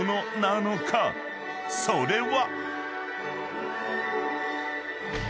［それは］